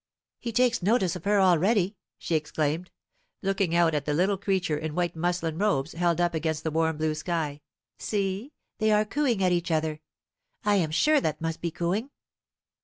"He takes notice of her already!" she exclaimed, looking out at the little creature in white muslin robes, held up against the warm blue sky; "see, they are cooing at each other! I am sure that must be cooing."